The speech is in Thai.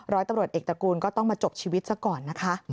ร้อยตำรวจเอกตระกูลก็ต้องมาจบชีวิตซะก่อนนะคะ